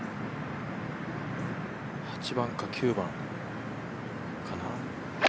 ８番か９番かな？